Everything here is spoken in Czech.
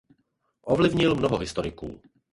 Ovlivnil mnoho historiků.